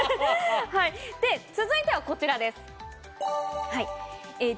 で、続いてはこちらです。